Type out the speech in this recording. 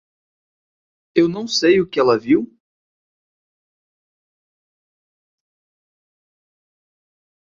Eu não sei o que ela viu?